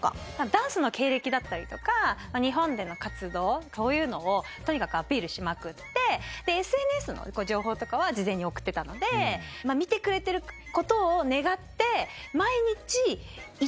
ダンスの経歴だったりとか日本での活動そういうのをとにかくアピールしまくってＳＮＳの情報とかは事前に送ってたので見てくれてる事を願って。